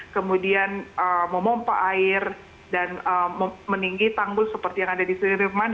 kemudian memompa air dan meninggi tanggul seperti yang ada di sudirman